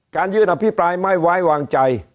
การยื่นอภิปรายไม่ไว้วางใจ